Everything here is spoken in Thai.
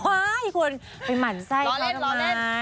ไม่ควรไปหมั่นไส้เขาทำไม